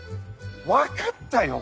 分かったよ！